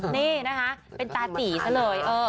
นี่นะคะเป็นตาตี๋เสมอเลย